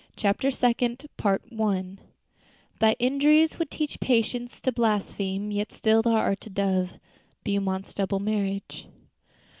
'" CHAPTER SECOND "Thy injuries would teach patience to blaspheme, Yet still thou art a dove." BEAUMONT'S _Double Marriage.